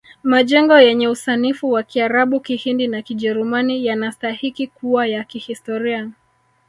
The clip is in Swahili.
Majengo yenye usanifu wa kiarabu kihindi na kijerumani yanastahiki kuwa ya kihistoria